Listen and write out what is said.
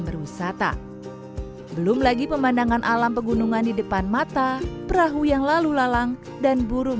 berwisata belum lagi pemandangan alam pegunungan di depan mata perahu yang lalu lalang dan burung